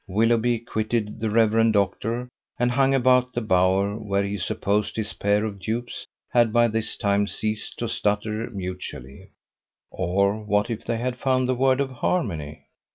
Willoughby quitted the Rev. Doctor, and hung about the bower where he supposed his pair of dupes had by this time ceased to stutter mutually: or what if they had found the word of harmony?